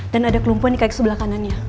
dan ada kelumpuan di kaki sebelah kanannya